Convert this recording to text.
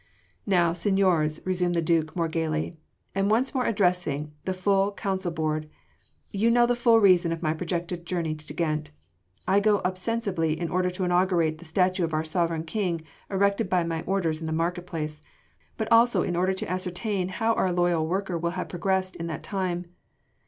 "Now, seigniors," resumed the Duke more gaily, and once more addressing the full council board, "you know the full reason of my projected journey to Ghent. I go ostensibly in order to inaugurate the statue of our Sovereign King erected by my orders in the market place, but also in order to ascertain how our loyal worker will have progressed in the time.